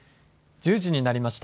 １０時になりました。